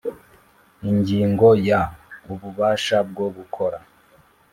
Ingingo ya Ububasha bwo gukora